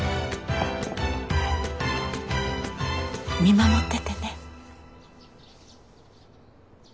見守っててね。